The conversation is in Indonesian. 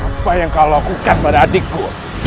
apa yang kau lakukan pada adikku